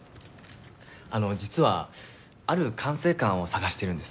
あの実はある管制官を探してるんです。